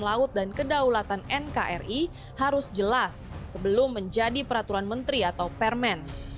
laut dan kedaulatan nkri harus jelas sebelum menjadi peraturan menteri atau permen